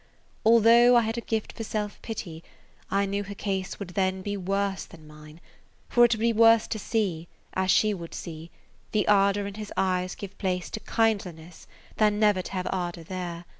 Although I had a gift for self pity, I knew her case would then be worse than mine; for it would be worse to see, as she would see, the ardor in his eyes give place to kindliness than never to have ardor there.